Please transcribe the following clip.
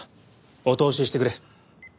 お通ししてくれ。